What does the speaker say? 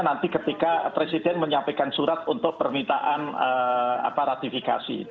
nanti ketika presiden menyampaikan surat untuk permintaan ratifikasi